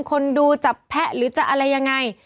คนดูจับแพะหรือจะอะไรยังไง